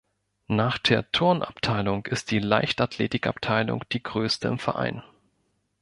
Nach der Turnabteilung ist die Leichtathletikabteilung die größte im Verein.